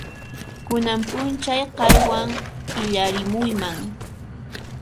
Kunan p'unchay qanwan illarimuyman.